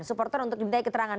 supporter untuk dimintai keterangan